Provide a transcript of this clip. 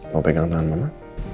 mau pegang tangan mama